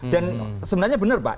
dan sebenarnya benar pak